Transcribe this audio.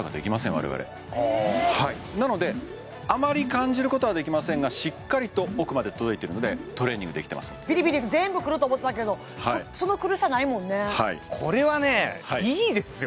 我々へえはいなのであまり感じることはできませんがしっかりと奥まで届いてるのでトレーニングできてますんでビリビリと全部くると思ってたけどその苦しさないもんねはいこれはねいいですよ